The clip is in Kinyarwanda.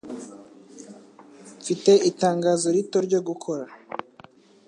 Mfite itangazo rito ryo gukora.